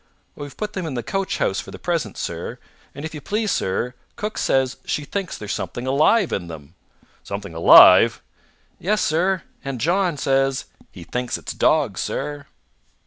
"We've put them in the coachhouse for the present, sir. And if you please, sir, cook says she thinks there's something alive in them." "Something alive?" "Yes, sir. And John says he thinks it's dogs, sir!"